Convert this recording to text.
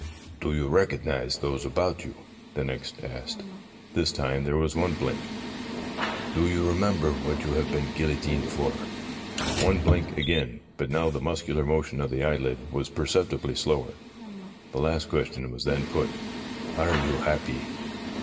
' Do you recognise those about you ?' was next asked. This time there was one blink. ' Do you remember what you have been guillotined for ?' One blink again, but now the muscular motion of the eye lid was perceptibly slower. The last question was then put :' Are you happy